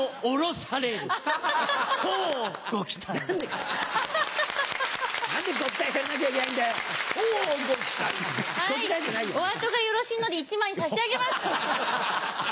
お後がよろしいので１枚差し上げます。